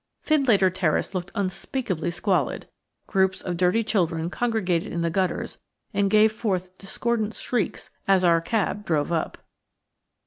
Findlater Terrace looked unspeakably squalid; groups of dirty children congregated in the gutters and gave forth discordant shrieks as our cab drove up.